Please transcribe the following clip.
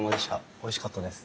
おいしかったです。